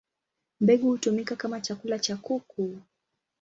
Mbegu hutumika kama chakula cha kuku.